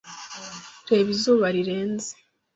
Reba izuba rirenze.